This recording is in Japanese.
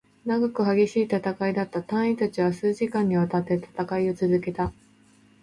長く、激しい戦いだった。隊員達は数時間に渡って戦いを続けた。